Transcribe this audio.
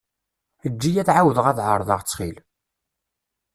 Eǧǧ-iyi ad εawdeɣ ad εerḍeɣ ttxil.